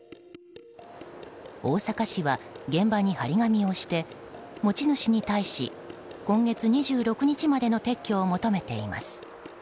大阪市は、現場に貼り紙をして持ち主に対し今月２６日までの撤去を求めています。